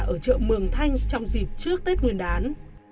ở chợ mường thanh trong dịp trước tết nguyên đán